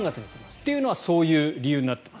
というのはそういう理由になっています。